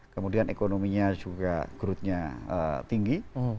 kemudian ekonominya juga growth nya tinggi